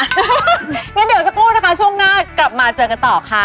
งั้นเดี๋ยวจะพูดนะคะช่วงหน้ากลับมาเจอกันต่อค่ะ